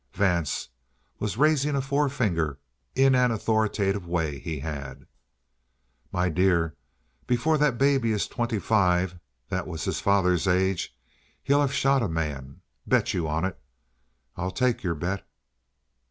Vance was raising a forefinger in an authoritative way he had. "My dear, before that baby is twenty five that was his father's age he'll have shot a man. Bet you on it!" "I'll take your bet!"